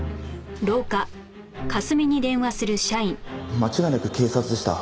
間違いなく警察でした。